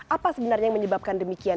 apa sebenarnya yang menyebabkan demikian